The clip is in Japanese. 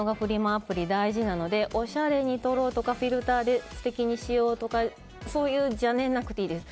アプリは大事なのでおしゃれに撮ろうとかフィルターで素敵にしようとかそういう邪念はなくていいです。